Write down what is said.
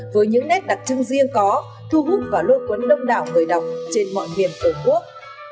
với những nét đặc trưng riêng có thu hút và lôi cuốn đông đảo người đọc trên mọi miền tổ quốc